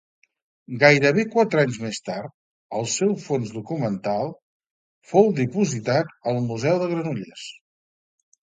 Gairebé quatre anys més tard, el seu fons documental fou dipositat al Museu de Granollers.